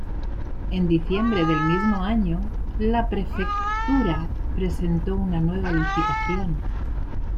En diciembre del mismo año, la prefectura presentó una nueva licitación.